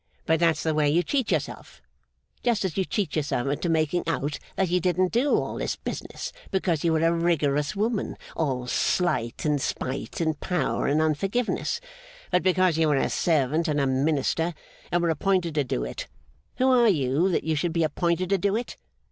But that's the way you cheat yourself. Just as you cheat yourself into making out that you didn't do all this business because you were a rigorous woman, all slight, and spite, and power, and unforgiveness, but because you were a servant and a minister, and were appointed to do it. Who are you, that you should be appointed to do it?